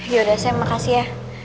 yaudah sam makasih ya